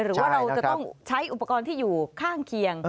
หรือว่าเราจะต้องใช้อุปกรณ์ที่อยู่ข้างเคียง